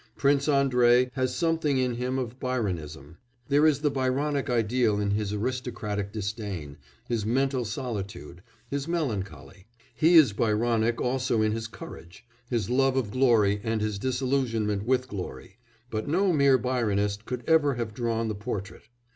Prince Andrei has something in him of Byronism; there is the Byronic ideal in his aristocratic disdain, his mental solitude, his melancholy; he is Byronic also in his courage, his love of glory and his disillusionment with glory, but no mere Byronist could ever have drawn the portrait.